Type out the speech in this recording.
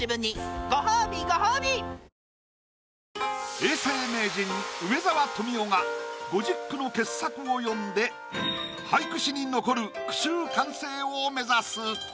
永世名人梅沢富美男が５０句の傑作を詠んで俳句史に残る句集完成を目指す。